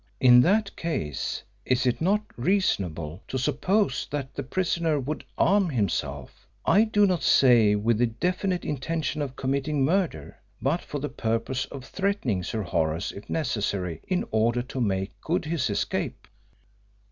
In that case is it not reasonable to suppose that the prisoner would arm himself, I do not say with the definite intention of committing murder, but for the purpose of threatening Sir Horace if necessary in order to make good his escape?